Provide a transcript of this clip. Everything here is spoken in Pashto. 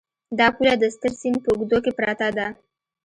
دا پوله د ستر سیند په اوږدو کې پرته ده.